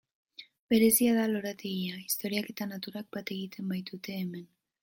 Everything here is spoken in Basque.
Berezia da lorategia, historiak eta naturak bat egiten baitute hemen.